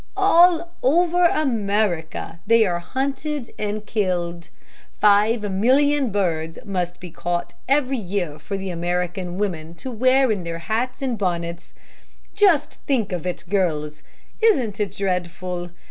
All over America they are hunted and killed. Five million birds must be caught every year for American women to wear in their hats and bonnets. Just think of it, girls, Isn't it dreadful?